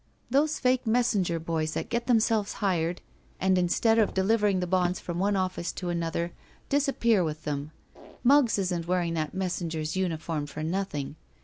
"Those fake messenger boys that get themselves hired and, instead of delivering the bonds from one office to another — disappear with them. Muggs isn't wearing that messenger's uniform for nothing.